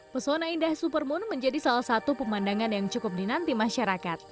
pesona indah supermoon menjadi salah satu pemandangan yang cukup dinanti masyarakat